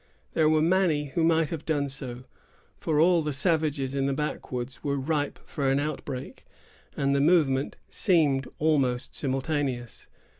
There were many who might have done so, for all the savages in the backwoods were ripe for an outbreak, and the movement seemed almost simultaneous.